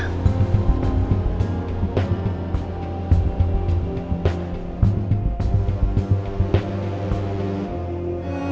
tuhan yang memiliki kebenaran